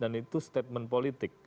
dan itu statement politik